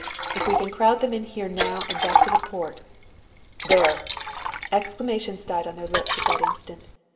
if we can crowd them in here now and back to the Port!" "There!" Exclamations died on their lips at the instant.